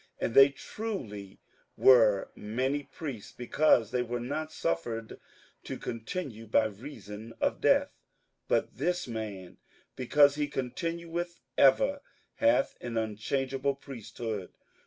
58:007:023 And they truly were many priests, because they were not suffered to continue by reason of death: 58:007:024 But this man, because he continueth ever, hath an unchangeable priesthood.